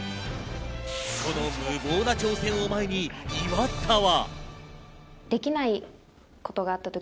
この無謀な挑戦を前に岩田は。